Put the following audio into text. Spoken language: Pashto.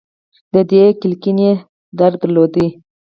دوې کړکۍ يې در لودې.